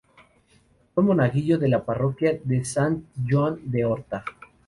Fue monaguillo de la parroquia de Sant Joan de Horta.